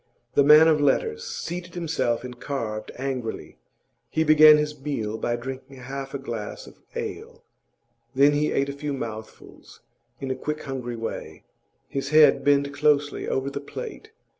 The man of letters seated himself and carved angrily. He began his meal by drinking half a glass of ale; then he ate a few mouthfuls in a quick, hungry way, his head bent closely over the plate.